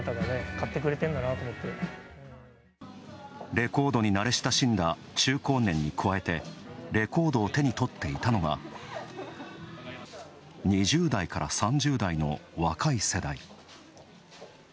レコードに慣れ親しんだ中高年に加えて、レコードを手に取っていたのが２０代から３０代の若い世代。